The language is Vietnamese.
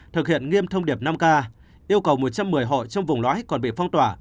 trong thông điệp năm k yêu cầu một trăm một mươi hội trong vùng lõi còn bị phong tỏa